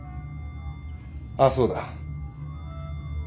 あっそうだ。